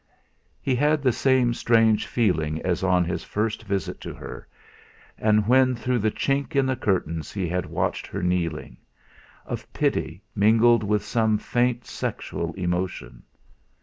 He had the same strange feeling as on his first visit to her, and when through the chink in the curtains he had watched her kneeling of pity mingled with some faint sexual emotion.